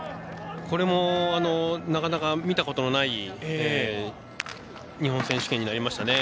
これもなかなか見たことのない日本選手権になりましたね。